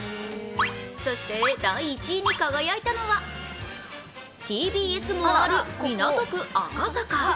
そして第１位に輝いたのはＴＢＳもある港区赤坂。